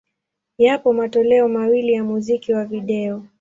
Yapo matoleo mawili ya muziki wa video.